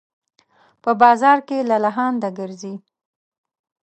په بازار کې لالهانده ګرځي